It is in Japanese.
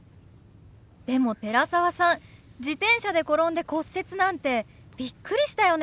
でも寺澤さん自転車で転んで骨折なんてビックリしたよね。